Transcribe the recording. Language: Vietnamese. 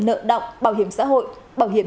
nợ động bảo hiểm xã hội bảo hiểm